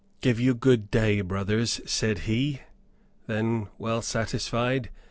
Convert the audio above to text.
"Give you good day, brothers," said he, then, well satisfied.